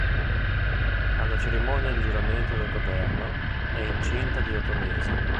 Alla cerimonia di giuramento del governo è incinta di otto mesi.